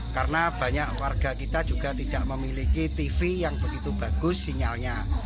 karena banyak warga kita juga tidak memiliki tv yang begitu bagus sinyalnya